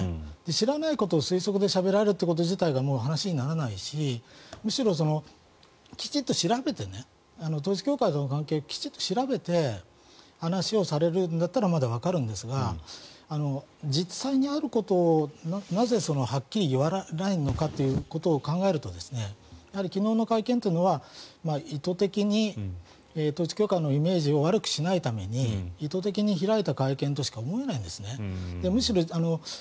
知らないことを推測でしゃべられるということ自体が話にならないしむしろきちっと調べて統一教会との関係を調べて話をされるんだったらまだわかるんですが実際にあることをなぜはっきり言わないのかということを考えるとやはり昨日の会見は意図的に、統一教会のイメージを悪くしないために意図的に開いた会見としか思えないんですね。